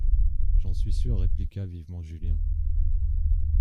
J'en suis sûr, répliqua vivement Julien.